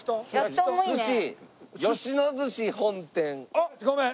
あっごめん。